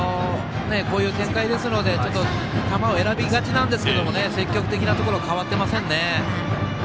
こういう展開ですのでちょっと球を選びがちなんですけど積極的なところは変わっていませんね。